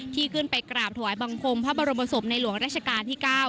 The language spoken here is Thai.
ที่ขึ้นไปกราบถวายบังคมพระบรมศพในหลวงราชการที่๙